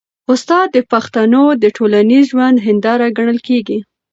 استاد د پښتنو د ټولنیز ژوند هنداره ګڼل کېږي.